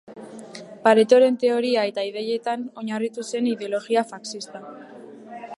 Paretoren teoria eta ideietan oinarritu zen ideologia faxista.